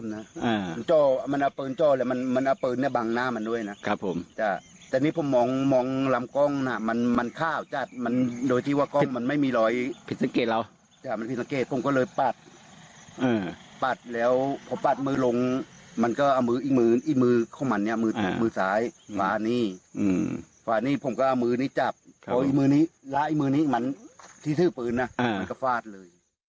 มือซ้ายฝานี่ฝานี่ผมก็เอามือนี่จับแล้วอีกมือนี่มันที่ซื้อปืนนะมันก็ฟาดเลย